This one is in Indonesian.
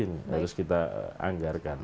harus kita anggarkan